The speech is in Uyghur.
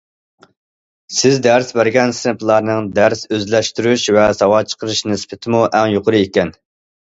سىز دەرس بەرگەن سىنىپلارنىڭ دەرس ئۆزلەشتۈرۈش ۋە ساۋات چىقىرىش نىسبىتىمۇ ئەڭ يۇقىرى ئىكەن.